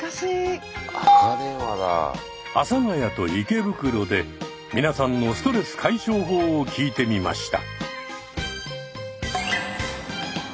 阿佐ヶ谷と池袋で皆さんのストレス解消法を聞いてみました。